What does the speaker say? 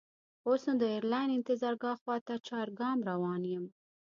اوس نو د ایرلاین انتظارګاه خواته چارګام روان یم.